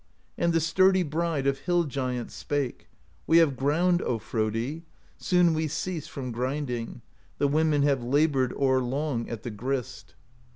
And the sturdy bride Of Hill Giants spake: 'We have ground, O Frodi! Soon we cease from grinding; The women have labored O'er long at the grist.'